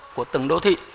của từng đô thị